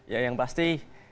ya yang pasti